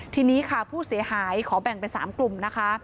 ทีนี้ค่ะผู้เสียหายขอแบ่งเป็น๓กลุ่มนะคะ